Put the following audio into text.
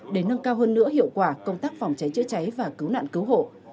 để nâng cao hơn nữa hiệu quả công tác phòng cháy chữa cháy và cứu nạn cứu hộ